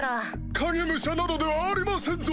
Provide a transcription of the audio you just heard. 影武者などではありませんぞ！